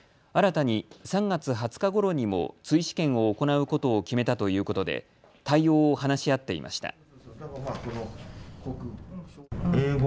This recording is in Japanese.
新たに３月２０日ごろにも追試験を行うことを決めたということで対応を話し合っていました。